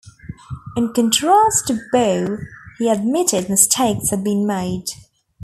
In contrast to Bo, he admitted mistakes had been made.